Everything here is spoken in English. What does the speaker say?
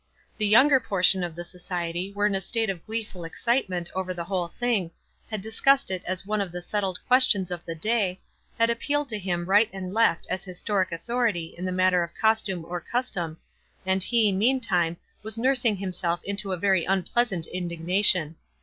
The younger portion of the society were in a state of gleeful excitement over the w T hole thing ; had discussed it as one of the settled questions of the day ; had ap pealed to him right and left as historic au thority in the matter of costume or custom ; and he, meantime, was nursing himself into a very unpleasant indignation.